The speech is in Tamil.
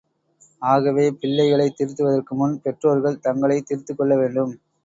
ஆகவே பிள்ளைகளைத் திருத்துவதற்குமுன் பெற்றோர்கள் தங்களைத் திருத்திக் கொள்ளவேண்டும்.